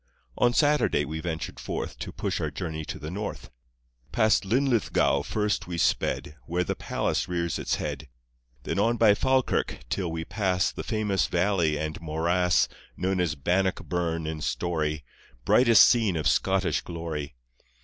On Saturday we ventured forth To push our journey to the North. Past Linlithgow first we sped, Where the Palace rears its head, Then on by Falkirk, till we pass The famous valley and morass Known as Bannockburn in story, Brightest scene of Scottish glory.